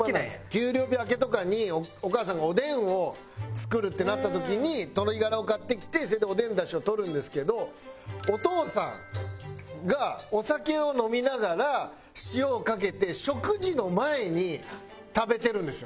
給料日明けとかにお母さんがおでんを作るってなった時に鶏ガラを買ってきてそれでおでん出汁を取るんですけどお父さんがお酒を飲みながら塩をかけて食事の前に食べてるんですよね。